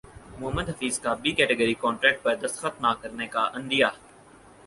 محمد حفیظ کا B category contract پر دستخط نہ کرنےکا عندیہ